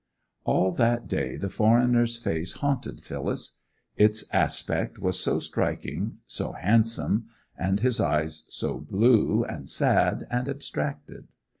All that day the foreigner's face haunted Phyllis; its aspect was so striking, so handsome, and his eyes were so blue, and sad, and abstracted.